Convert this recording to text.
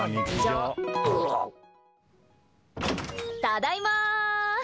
ただいま。